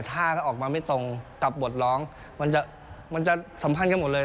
ถ้าออกมาไม่ตรงกับบทร้องมันจะสัมพันธ์กันหมดเลย